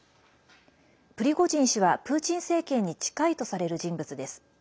プリゴジン氏はプーチン政権に近いとされる人物です。